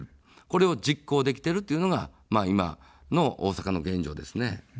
これを実行できているというのが今の大阪の現状ですね。